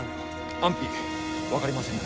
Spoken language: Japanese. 安否分かりませぬ。